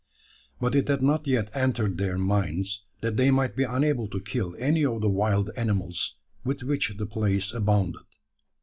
But it had not yet entered their minds that they might be unable to kill any of the wild animals with which the place abounded.